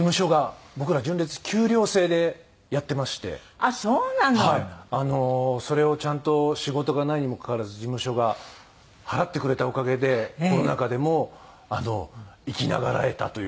あのそれをちゃんと仕事がないにもかかわらず事務所が払ってくれたおかげでコロナ禍でもあの生き永らえたというか。